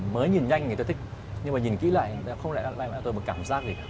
mới nhìn nhanh thì tôi thích nhưng mà nhìn kỹ lại thì không lẽ nó đem lại cho tôi một cảm giác gì cả